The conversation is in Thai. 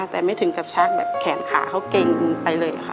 แต่ไม่ถึงชักแขนขาเขาเกร็งไปเลย